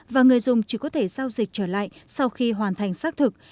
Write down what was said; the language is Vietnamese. và người dùng chỉ có thể giao dịch trở lại sau khi hoàn thành xác thực